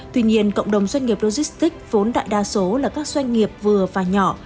tuy nhiên cộng đồng doanh nghiệp logistics vốn đại đa số là các doanh nghiệp vừa và nhỏ